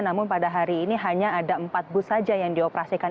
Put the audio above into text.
namun pada hari ini hanya ada empat bus saja yang dioperasikan